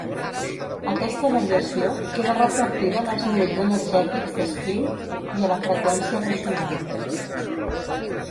Aquesta variació queda reflectida en els nivells energètics d'espín i a la freqüència ressonant.